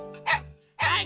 はい！